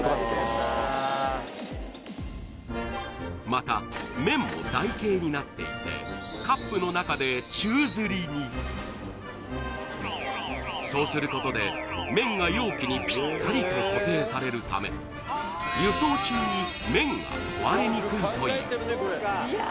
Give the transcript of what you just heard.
また麺も台形になっていてそうすることで麺が容器にぴったりと固定されるため輸送中に麺が壊れにくいという